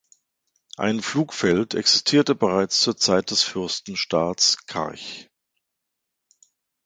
Ein Flugfeld existierte bereits zur Zeit des Fürstenstaats Kachchh.